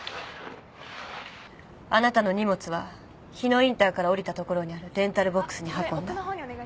あなたの荷物は日野インターから降りたところにあるレンタルボックスに運んだ。